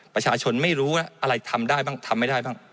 ประชาชนไม่รู้แล้วอะไรทำได้บ้างทำไม่ได้บ้าง